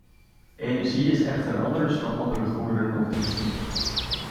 Energie is echter anders dan andere goederen of diensten.